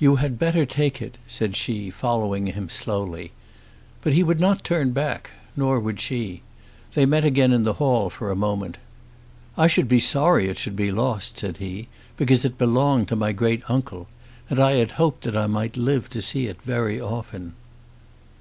"You had better take it," said she, following him slowly. But he would not turn back; nor would she. They met again in the hall for a moment. "I should be sorry it should be lost," said he, "because it belonged to my great uncle. And I had hoped that I might live to see it very often."